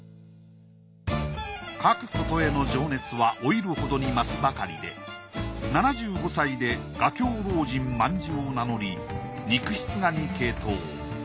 描くことへの情熱は老いるほどに増すばかりで７５歳で画狂老人卍を名乗り肉筆画に傾倒。